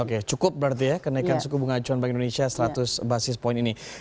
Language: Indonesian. oke cukup berarti ya kenaikan suku bunga acuan bank indonesia seratus basis point ini